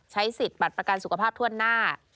ใช้สิทธิ์บัตรประกันสุขภาพถ้วนหน้า